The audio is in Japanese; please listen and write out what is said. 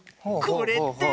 これって。